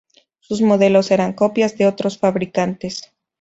Sus modelos eran copias de otros fabricantes.